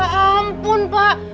ya ampun pak